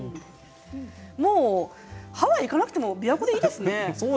ハワイに行かなくても琵琶湖でいいですね。